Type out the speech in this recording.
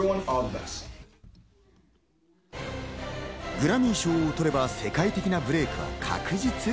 グラミー賞を取れば世界的なブレイクは確実。